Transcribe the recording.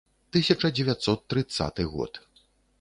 Тысяча дзевяцьсот трыццаты год.